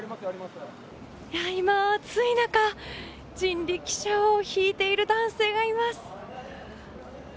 今、暑い中人力車を引いている男性がいます。